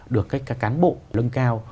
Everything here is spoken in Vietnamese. được các cán bộ lưng cao